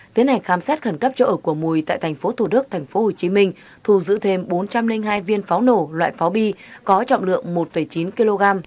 tiến hành khám xét khẩn cấp chỗ ở của mùi tại tp thủ đức tp hcm thu giữ thêm bốn trăm linh hai viên pháo nổ loại pháo bi có trọng lượng một chín kg